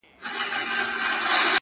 ولي دي يو انسان ته دوه زړونه ور وتراشله-